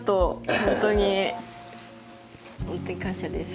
本当に感謝です。